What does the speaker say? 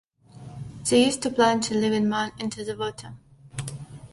They used to plunge a living man into the water.